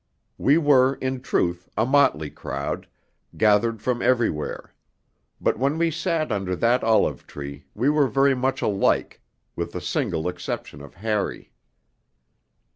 We were, in truth, a motley crowd, gathered from everywhere; but when we sat under that olive tree we were very much alike with the single exception of Harry.